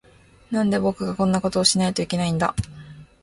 なんで、僕がこんなことをしないといけないんだ。